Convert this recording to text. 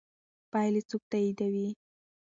پایلې څوک تاییدوي؟